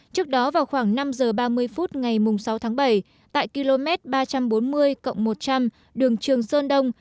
trước đó vào khoảng năm giờ ba mươi phút ngày sáu tháng bảy tại km ba trăm bốn mươi một trăm linh đường trường sơn đông